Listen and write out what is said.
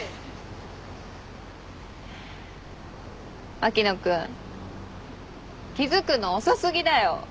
牧野君気付くの遅すぎだよ。